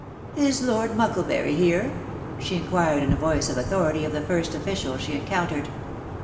f Is Lord Mucklebury here?". ... she inquired in a vo: authority of the first official she encountered.